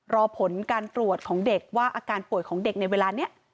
รอผลการตรวจของเด็กว่าอาการป่วยของเด็กในเวลานี้